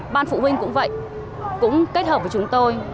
ban phụ huynh cũng vậy cũng kết hợp với chúng tôi